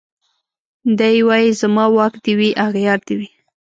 دی وايي زما واک دي وي اغيار دي وي